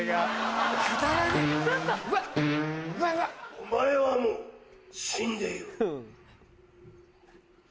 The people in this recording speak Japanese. お前はもう死んでいる。